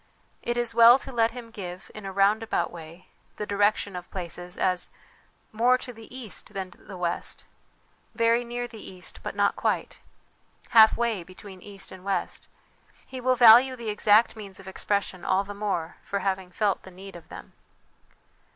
It is well to let him give, in a round about way, the direction of places as ' more to the east than the west,' ' very near the east but not quite,' ' half way between east and west.' He will value the exact means of expression all the more for having felt the need of them.